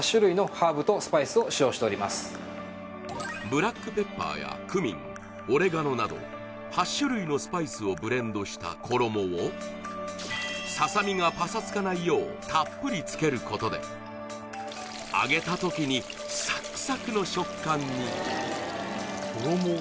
ブラックペッパーやクミンオレガノなど８種類のスパイスをブレンドした衣をささみがパサつかないようたっぷりつけることで揚げた時にサクサクの食感に！